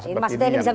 seperti ini ya